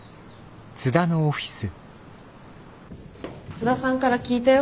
津田さんから聞いたよ。